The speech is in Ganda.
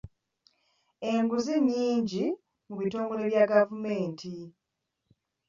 Enguzi nnyingi mu bitongole bya gavumenti.